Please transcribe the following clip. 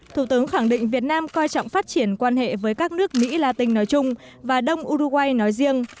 thủ tướng khẳng định việt nam coi trọng phát triển quan hệ với các nước mỹ la tinh nói chung và đông uruguay nói riêng